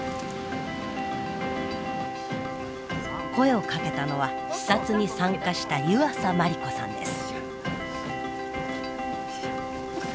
声をかけたのは視察に参加した湯浅万里子さんです。